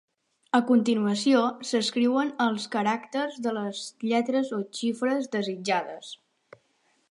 A continuació, s'escriuen els caràcters de les lletres o xifres desitjades.